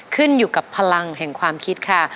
ขึ้นอยู่กับพลังแห่งความคิดค่ะ